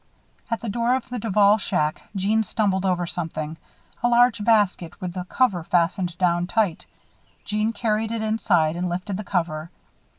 At the door of the Duval shack, Jeanne stumbled over something a large basket with the cover fastened down tight. Jeanne carried it inside and lifted the cover.